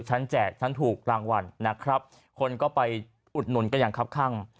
แจกฉันถูกรางวัลนะครับคนก็ไปอุดหนุนกันอย่างครับข้าง